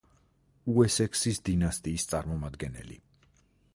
უესექსის დინასტიის წარმომადგენელი.